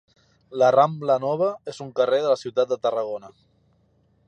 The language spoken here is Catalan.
La Rambla Nova és un carrer de la ciutat de Tarragona.